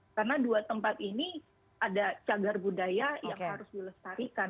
karena dua tempat ini ada cagar budaya yang harus dilestarikan